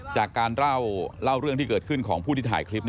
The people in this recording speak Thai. จากการเล่าเรื่องที่เกิดขึ้นของผู้ที่ถ่ายคลิป